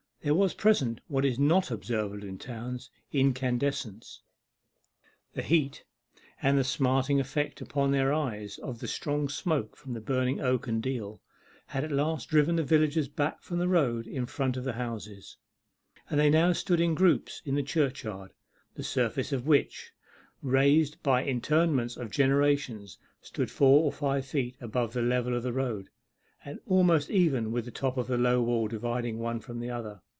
There was present what is not observable in towns incandescence. The heat, and the smarting effect upon their eyes of the strong smoke from the burning oak and deal, had at last driven the villagers back from the road in front of the houses, and they now stood in groups in the churchyard, the surface of which, raised by the interments of generations, stood four or five feet above the level of the road, and almost even with the top of the low wall dividing one from the other.